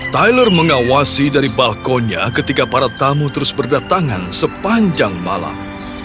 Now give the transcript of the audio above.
tyler mengawasi dari balkonnya ketika para tamu terus berdatangan sepanjang malam